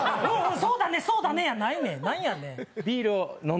そうだね、そうだねやないねん。